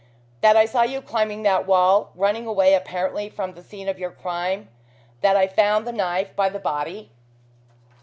That I saw you climbing that wall, running away apparently from the scene of your crime. That I found the knife by the body?"